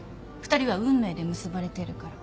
２人は運命で結ばれてるから。